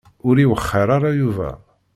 Ur iwexxeṛ ara Yuba.